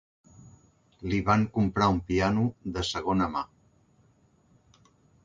Li van comprar un piano de segona mà.